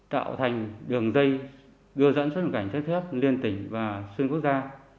tạo thành đường dây đưa dẫn xuất nhập cảnh trái phép liên tỉnh và xuyên quốc gia